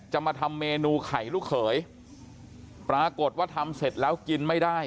มาทำเมนูไข่ลูกเขยปรากฏว่าทำเสร็จแล้วกินไม่ได้